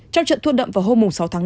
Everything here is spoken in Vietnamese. trong trận thuận đậm vào hôm sáu tháng năm